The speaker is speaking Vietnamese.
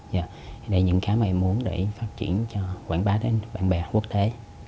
đây là những cái mà em muốn để phát triển cho quảng bá đến bạn bè quốc tế